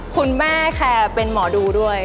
คุณแม่ค่ะเป็นหมอดูด้วย